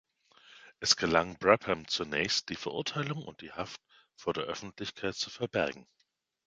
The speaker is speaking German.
Es gelang Brabham zunächst, die Verurteilung und die Haft vor der Öffentlichkeit zu verbergen.